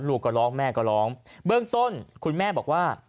ลูกก็ร้องแม่ก็ร้องเบื้องต้นคุณแม่บอกว่า